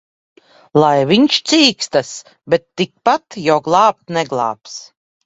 Lai viņš cīkstas! Bet tikpat jau glābt neglābs.